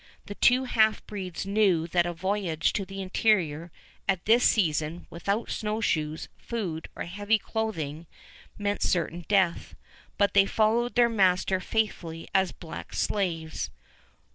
The two half breeds knew that a voyage to the interior at this season without snowshoes, food, or heavy clothing, meant certain death; but they followed their master faithfully as black slaves.